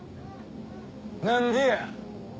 何でや？